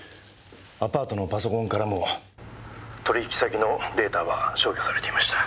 アパートのパソコンからも取引先のデータは消去されていました。